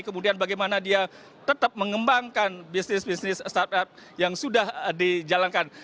kemudian bagaimana dia tetap mengembangkan bisnis bisnis startup yang sudah dijalankan